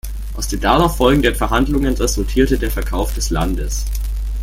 Aus den darauf folgenden Verhandlungen resultierte der Verkauf des Landes.